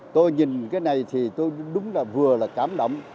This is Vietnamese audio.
tôi nhìn cái này thì tôi đúng là vừa là cảm động